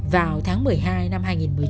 vào tháng một mươi hai năm hai nghìn một mươi chín